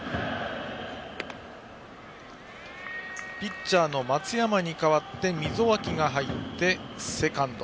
ピッチャーの松山に代わって溝脇が入って、セカンド。